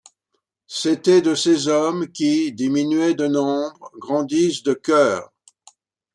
C’étaient de ces hommes qui, diminués de nombre, grandissent de cœur.